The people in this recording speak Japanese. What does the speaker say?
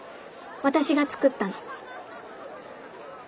私が作ったの。